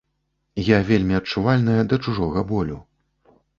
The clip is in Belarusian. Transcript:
Я вельмі адчувальная да чужога болю.